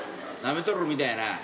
なめとるみたいやな。